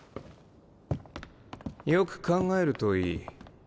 よく考えるといい。